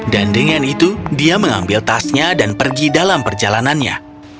dan dengan itu dia mengambil tasnya dan pergi dalam perjalanannya